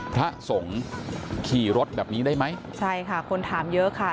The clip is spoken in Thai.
พระสงฆ์ขี่รถแบบนี้ได้ไหมใช่ค่ะคนถามเยอะค่ะ